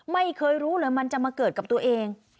ไม่เคยรู้เลยมันจะมาเกิดกับตัวเอง